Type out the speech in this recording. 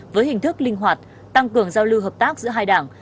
với hình thức linh hoạt tăng cường giao lưu hợp tác giữa hai đảng